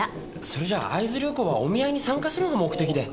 それじゃあ会津旅行はお見合いに参加するのが目的で。